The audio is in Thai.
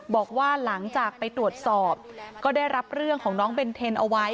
บอกว่าหลังจากไปตรวจสอบก็ได้รับเรื่องของน้องเบนเทนเอาไว้